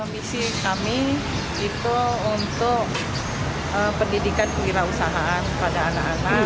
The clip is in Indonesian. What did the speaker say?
misi kami itu untuk pendidikan pengira usahaan pada anak anak